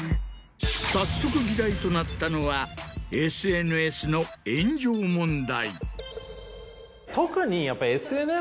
早速議題となったのはＳＮＳの炎上問題。